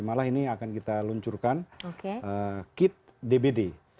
malah ini akan kita luncurkan kit dbd